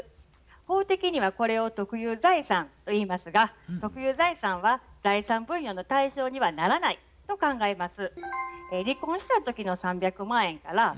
法的にはこれを特有財産といいますが特有財産は財産分与の対象にはならないと考えます。